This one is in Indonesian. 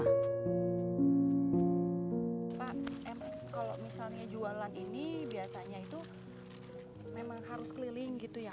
pak kalau misalnya jualan ini biasanya itu memang harus keliling gitu ya